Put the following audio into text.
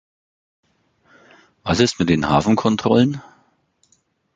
Was ist mit den Hafenkontrollen?